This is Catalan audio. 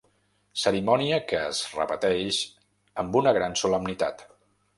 Cerimònia que es repeteix amb una gran solemnitat.